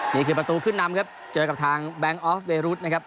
นี่คือประตูขึ้นนำครับเจอกับทางแบงค์ออฟเวรุษนะครับ